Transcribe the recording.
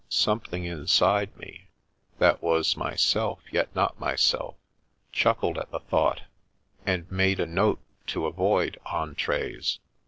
Something in side me, that was myself yet not myself, chuckled at the thought, and made a note to avoid entrees.